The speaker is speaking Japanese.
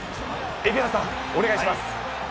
蛯原さん、お願いします。